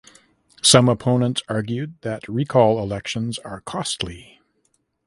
Some opponents argued that recall elections are costly.